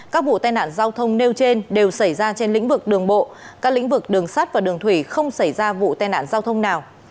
các vụ tai nạn giao thông nêu trên đều xảy ra trên lĩnh vực đường bộ các lĩnh vực đường sắt và đường thủy không xảy ra vụ tai nạn giao thông nào